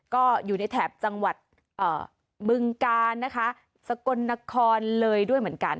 ก็อยู่ในแถบจังหวัดบึงกาลนะคะสกลนครเลยด้วยเหมือนกัน